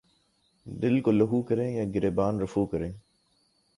دل کو لہو کریں یا گریباں رفو کریں